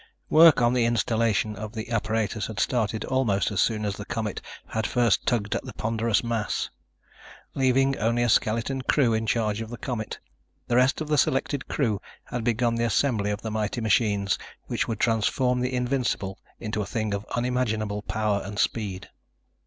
Work on the installation of the apparatus had started almost as soon as the Comet had first tugged at the ponderous mass. Leaving only a skeleton crew in charge of the Comet, the rest of the selected crew had begun the assembly of the mighty machines which would transform the Invincible into a thing of unimaginable power and speed.